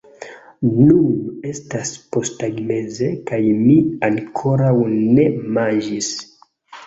Nun estas posttagmeze kaj mi ankoraŭ ne manĝis